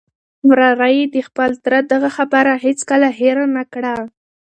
وراره یې د خپل تره دغه خبره هیڅکله هېره نه کړه.